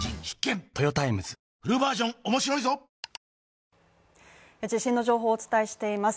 ＪＴ地震の情報をお伝えしています。